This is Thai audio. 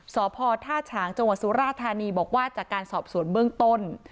สพท่าฉางจังหวัดสุราธานีบอกว่าจากการสอบสวนเบื้องต้น